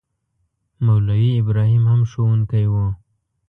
مولوي ابراهیم هم ښوونکی وو.